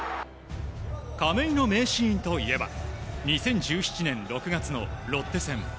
亀井の名シーンといえば２０１７年６月のロッテ戦。